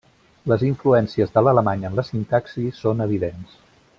Les influències de l'alemany en la sintaxi són evidents.